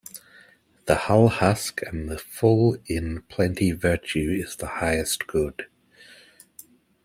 The hull husk and the full in plenty Virtue is the highest good.